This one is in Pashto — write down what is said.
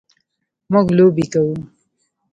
موږ لوبې کوو.